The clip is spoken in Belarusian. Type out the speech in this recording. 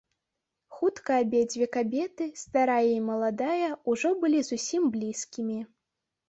Хутка абедзве кабеты, старая і маладая, ужо былі зусім блізкімі.